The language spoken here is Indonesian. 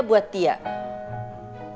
kamu juga nge address sama dia